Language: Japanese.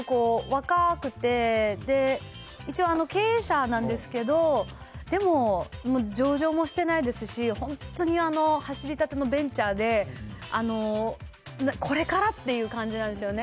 なんか、すごく若くて、一応、経営者なんですけど、でも、上場もしてないですし、本当に走りたてのベンチャーで、これからっていう感じなんですよね。